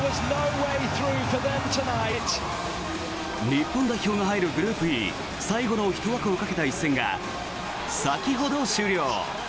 日本代表が入る、グループＥ最後の１枠をかけた一戦が先ほど終了。